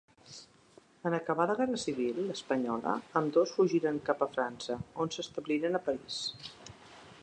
En acabar la guerra civil espanyola ambdós fugiren cap a França, on s'establiren a París.